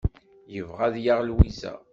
Yebɣa ad yaɣ Lwiza.